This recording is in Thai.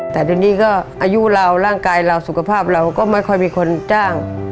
แต่ทีนี้ก็อายุเราร่างกายเราสุขภาพเราก็ไม่ค่อยมีคนจ้าง